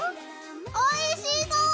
おいしそう！